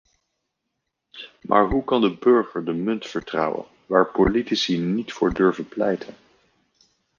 Maar hoe kan de burger de munt vertrouwen waar politici niet voor durven pleiten?